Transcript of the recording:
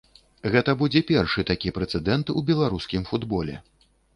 Гэта будзе першы такі прэцэдэнт у беларускім футболе.